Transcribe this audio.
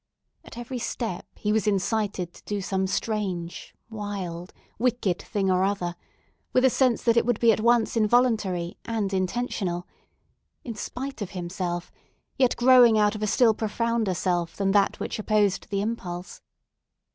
At every step he was incited to do some strange, wild, wicked thing or other, with a sense that it would be at once involuntary and intentional, in spite of himself, yet growing out of a profounder self than that which opposed the impulse.